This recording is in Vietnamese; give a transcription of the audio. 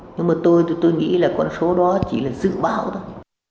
nhưng mà tôi nghĩ là con số đó chỉ là dự báo thôi